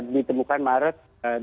ditemukan maret dua ribu dua puluh